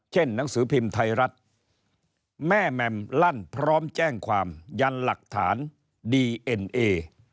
หนังสือพิมพ์ไทยรัฐแม่แมมลั่นพร้อมแจ้งความยันหลักฐานดีเอ็นเอ